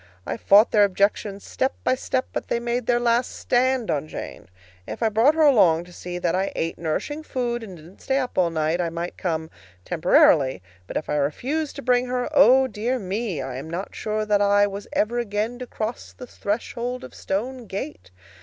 I fought their objections step by step, but they made their last stand on Jane. If I brought her along to see that I ate nourishing food and didn't stay up all night, I might come temporarily; but if I refused to bring her oh, dear me, I am not sure that I was ever again to cross the threshold of Stone Gate!